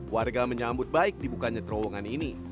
warga menyambut baik dibukanya terowongan ini